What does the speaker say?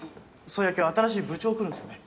そういや今日新しい部長来るんですよね？